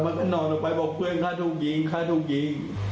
นอนออกไปบอกเพื่อนฆ่าทุกวิ่งฆ่าทุกวิ่ง